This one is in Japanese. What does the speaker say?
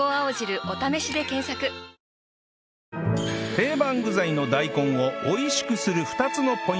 定番具材の大根を美味しくする２つのポイント